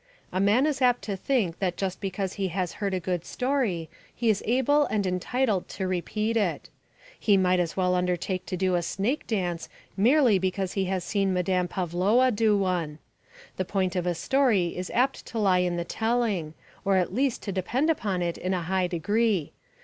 A man is apt to think that just because he has heard a good story he is able and entitled to repeat it. He might as well undertake to do a snake dance merely because he has seen Madame Pavlowa do one. The point of a story is apt to lie in the telling, or at least to depend upon it in a high degree.